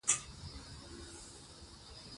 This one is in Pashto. ښوونځی د نجونو له لارې همغږي ټينګه ساتي.